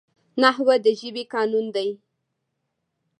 نحوه د ژبي قانون دئ.